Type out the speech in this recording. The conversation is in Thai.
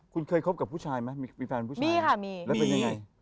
คุณเคยคบกับผู้ชายไหมมีแฟนผู้ชายมีค่ะมีแล้วเป็นยังไง